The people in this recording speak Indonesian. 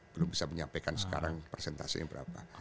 belum bisa menyampaikan sekarang presentasinya berapa